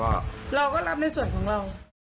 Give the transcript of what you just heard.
เราก็รับในส่วนของเรา